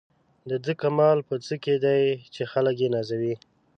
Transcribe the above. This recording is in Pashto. د ده کمال په څه کې دی چې خلک یې نازوي.